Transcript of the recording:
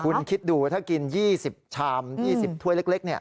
คุณคิดดูถ้ากิน๒๐ชาม๒๐ถ้วยเล็ก